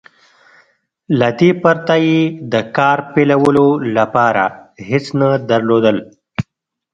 له دې پرته يې د کار پيلولو لپاره هېڅ نه درلودل.